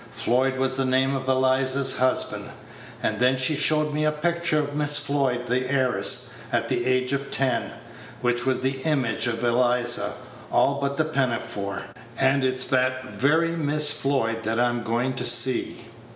Floyd was the name of Eliza's husband. And then she showed me a picture of Miss Floyd, the heiress, at the age of ten, which was the image of Eliza, all but the pinafore; and it's that very Miss Floyd that I'm going to see."